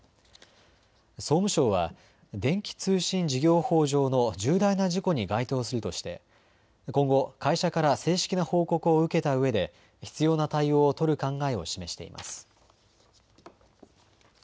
総務省は電気通信事業法上の重大な事故に該当するとして今後、会社から正式な報告を受けたうえで必要な対応を取る考えを示しています。